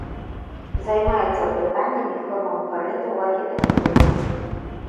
Займаецца пытаннямі формаўтварэння ў архітэктуры.